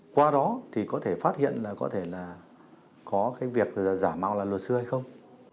qua đó thì có thể phát hiện là có thể là có cái việc giả mạo là luật sư hay không